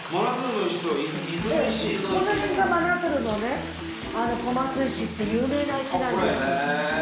この辺が真鶴のね小松石って有名な石なんですはい。